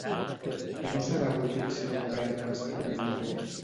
Què no serà útil si el govern d'Espanya no varia?